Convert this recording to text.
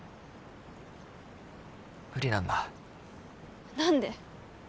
無理なんだ何で？